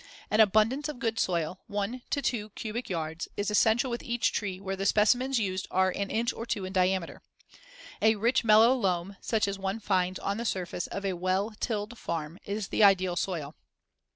An abundance of good soil (one to two cubic yards) is essential with each tree where the specimens used are an inch or two in diameter. A rich mellow loam, such as one finds on the surface of a well tilled farm, is the ideal soil.